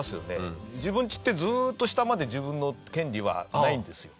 自分んちってずーっと下まで自分の権利はないんですよ。